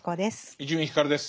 伊集院光です。